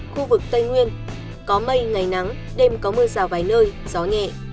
khu vực tây nguyên có mây ngày nắng đêm có mưa rào vài nơi gió nhẹ